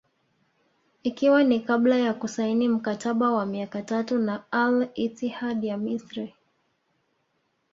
Ikiwa ni kabla ya kusaini mkataba wa miaka mitatu na Al Ittihad ya Misri